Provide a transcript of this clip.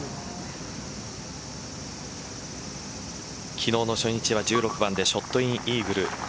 昨日の初日は１６番でショットインイーグル。